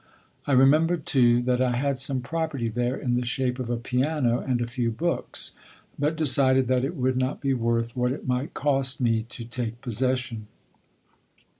I remembered, too, that I had some property there in the shape of a piano and a few books, but decided that it would not be worth what it might cost me to take possession.